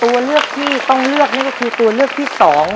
ตัวเลือกที่ต้องเลือกนี่ก็คือตัวเลือกที่๒